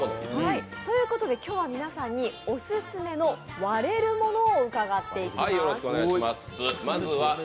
ということで今日は皆さんにオススメの割れるものを伺っていきます。